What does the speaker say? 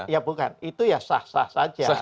ya bukan itu ya sah sah saja